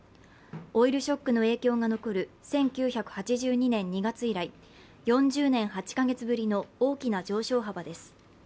オイルショックの影響が残る１９８２年２月以来、４０年８か月ぶりの大きな上昇幅です